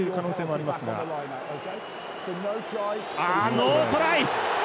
ノートライ。